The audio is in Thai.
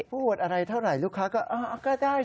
พูดอะไรเท่าไหร่ลูกค้าก็ได้